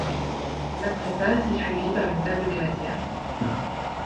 La préface est suivie par une table des matières.